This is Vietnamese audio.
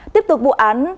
tiếp tục vụ án